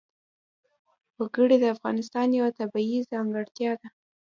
وګړي د افغانستان یوه طبیعي ځانګړتیا ده.